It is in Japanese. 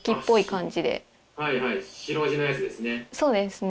白字のやつですね。